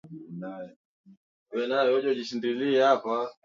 kilomita chache tu kutoka mpaka wa Ukraine